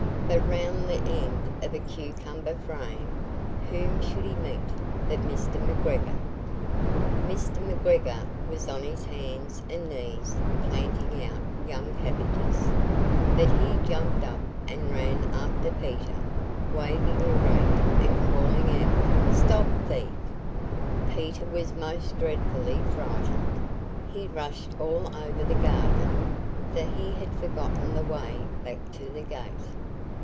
But round the end of a cucumber frame, whom should he meet but Mr. McGregor! Mr. McGregor was on his hands and knees planting out young cabbages, but he jumped up and ran after Peter, waving a rake and calling out, "Stop, thief!" Peter was most dreadfully frightened; he rushed all over the garden, for he had forgotten the way back to the gate.